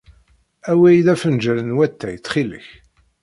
Awey-d afenjal n watay, ttxil-k.